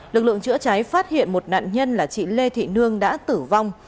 lực lượng chữa cháy phát hiện một nạn nhân là chị lê thị nương đã tử vong